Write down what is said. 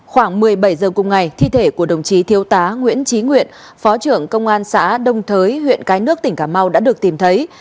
khoảng một mươi bảy h cùng ngày thi thể của đồng chí thiếu tá nguyễn trí nguyện phó trưởng công an xã đông thới huyện cái nước tỉnh cà mau đã được tìm thấy